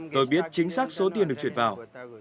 tôi biết chính xác số tiền được truyệt vào